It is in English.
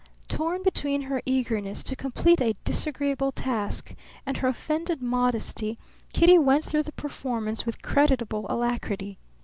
Torn between her eagerness to complete a disagreeable task and her offended modesty, Kitty went through the performance with creditable alacrity.